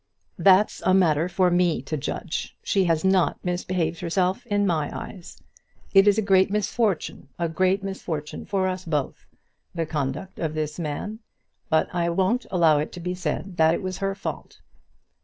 "That's a matter for me to judge. She has not misbehaved herself in my eyes. It is a great misfortune, a great misfortune for us both, the conduct of this man; but I won't allow it to be said that it was her fault."